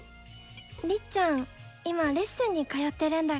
りっちゃん今レッスンに通ってるんだっけ？